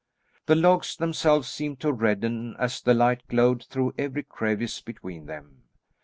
The logs themselves seemed to redden as the light glowed through every crevice between them.